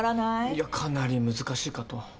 いやかなり難しいかと。